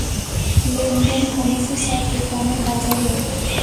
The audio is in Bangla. লেনদেন কমেছে চট্টগ্রামের বাজারেও।